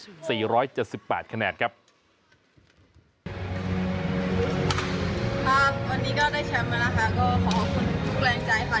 วันนี้ก็ได้แชมป์มานะคะก็ขอขอบคุณทุกแรงใจค่ะ